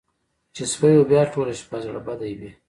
چې سپۍ به بیا ټوله شپه زړه بدې وي.